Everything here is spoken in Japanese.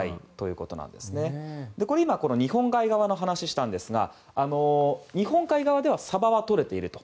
今、これは日本海側の話をしたんですが日本海側ではサバがとれていると。